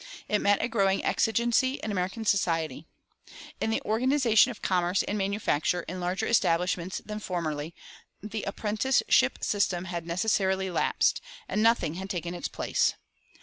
It met a growing exigency in American society. In the organization of commerce and manufacture in larger establishments than formerly, the apprenticeship system had necessarily lapsed, and nothing had taken its place.